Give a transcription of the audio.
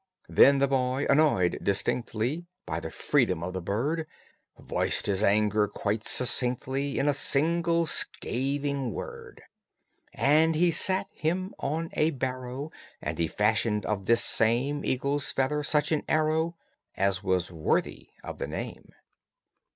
Then the boy, annoyed distinctly By the freedom of the bird, Voiced his anger quite succinctly In a single scathing word; And he sat him on a barrow, And he fashioned of this same Eagle's feather such an arrow As was worthy of the name.